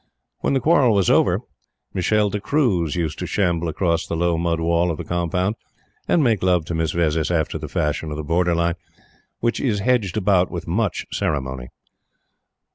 When the quarrel was over, Michele D'Cruze used to shamble across the low mud wall of the compound and make love to Miss Vezzis after the fashion of the Borderline, which is hedged about with much ceremony.